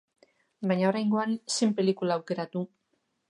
Baina oraingoan zein pelikula aukeratu?